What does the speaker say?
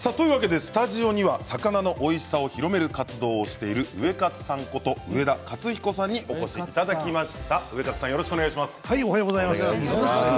スタジオには魚のおいしさを広める活動をしているウエカツさんこと上田勝彦さんにお越しいただきました。